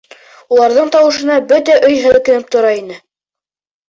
Уларҙың тауышына бөтә өй һелкенеп тора ине.